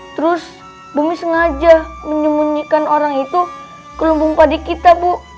terus bumi sengaja menyembunyikan orang itu kelumbung padi kita bu